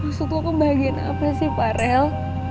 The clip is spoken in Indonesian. maksud lo kebahagiaan apa sih pak rel